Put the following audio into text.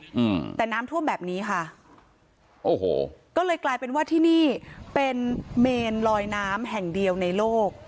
อืมแต่น้ำท่วมแบบนี้ค่ะโอ้โหก็เลยกลายเป็นว่าที่นี่เป็นเมนลอยน้ำแห่งเดียวในโลก